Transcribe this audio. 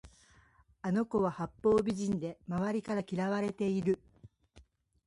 あの子は八方美人で周りから嫌われている